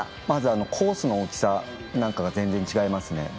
まずコースの大きさなんかが全然違いますね。